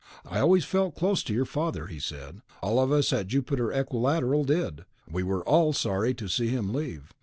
"I always felt close to your father," he said. "All of us at Jupiter Equilateral did. We were all sorry to see him leave."